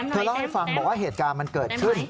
เล่าให้ฟังบอกว่าเหตุการณ์มันเกิดขึ้น